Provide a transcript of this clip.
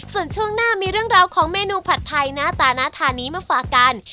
ส่วนช่วงหน้ามีเรื่องราวของเมนูผัดไทยหน้าตาน่าทานนี้มาฝากกัน